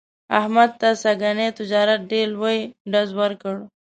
احمد ته سږني تجارت ډېر لوی ډز ور کړ.